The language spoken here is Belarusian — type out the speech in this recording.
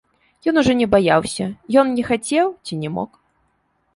Ён ужо не баяўся, ён не хацеў ці не мог.